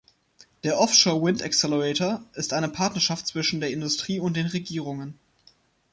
Der „Offshore Wind Accelerator“ ist eine Partnerschaft zwischen der Industrie und den Regierungen.